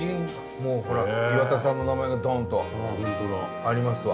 もうほら岩田さんの名前がドンとありますわ。